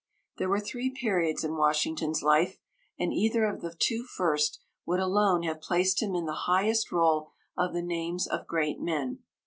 There were three periods in Washington's life, and either of the two first would alone have placed him in the highest roll of the names of great men.